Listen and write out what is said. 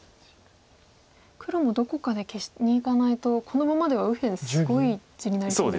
黒もどこかで消しにいかないとこのままでは右辺すごい地になりそう。